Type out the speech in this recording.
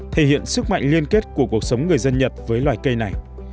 thể hiện sức mạnh liên kết của cuộc sống người dân nhật với loài cây này